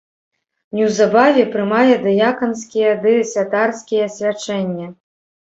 Неўзабаве прымае дыяканскія ды святарскія свячэння.